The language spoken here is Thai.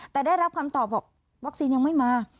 แต่ได้รับคำตอบบอกวัคซีนยังไม่มา